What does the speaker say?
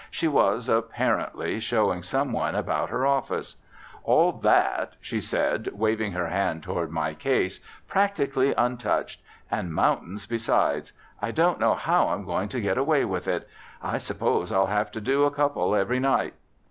She was, apparently, showing some one about her office. "All that," she said, waving her hand toward my case, "practically untouched; and mountains besides. I don't know how I'm to get away with it. I suppose I'll have to do a couple every night."